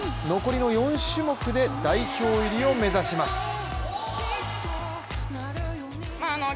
残りの４種目で代表入りを目指します。